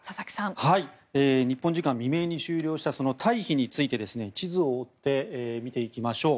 日本時間未明に終了したその退避について地図を追って見ていきましょう。